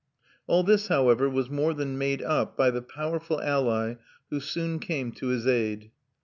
All this, however, was more than made up by the powerful ally who soon came to his aid.